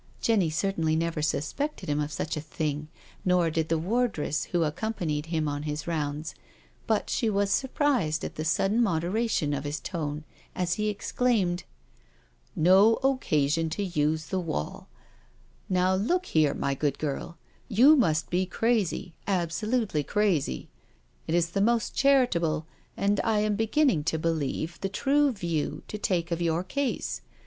Jenny certainly never suspected him of such a thing nor did the wardress iwho accompanied him on his rounds, but she was surprised at the sudden moderation of his tone as he exclaimed: " No occasion to use the wall I Now look here, my good girl — you must be crazy— absolutely crazy. It is the most charitable, and I am beginning to believe, the true view, to take of your case.